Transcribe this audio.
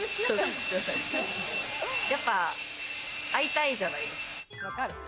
やっぱ会いたいじゃないですか。